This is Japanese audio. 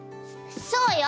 そうよ。